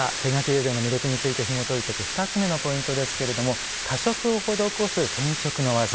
手描き友禅の魅力についてひもといていく２つ目のポイントですけれども多色を施す染色の技。